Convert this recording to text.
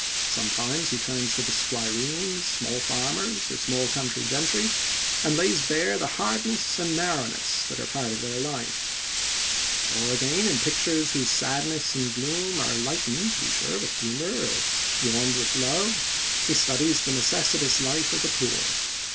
Sometimes he turns to the squireens, small farmers, or small country gentry, and lays bare the hardness and narrowness that are a part of their life. Or, again, in pictures whose sadness and gloom are lightened, to be sure, with humor or warmed with love, he studies the necessitous life of the poor.